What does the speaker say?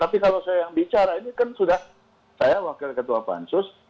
tapi kalau saya yang bicara ini kan sudah saya wakil ketua pansus